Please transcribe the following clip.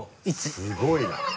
すごいな。